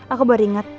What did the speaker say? aku baru ingat